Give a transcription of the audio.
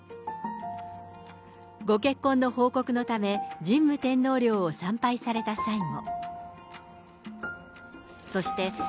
ご結婚の報告のため、神武天皇陵を参拝された際も。